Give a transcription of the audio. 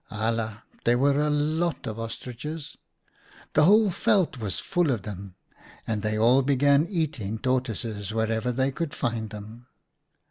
Alia ! there were a lot of Ostriches ! The whole veld was full of them, and they all began eating tortoises wherever they could find them.